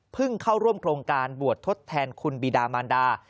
เข้าร่วมโครงการบวชทดแทนคุณบีดามานดา